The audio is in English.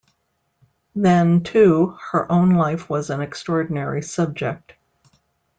Then, too, her own life was an extraordinary subject.